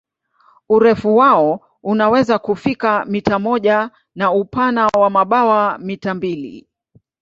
Urefu wao unaweza kufika mita moja na upana wa mabawa mita mbili.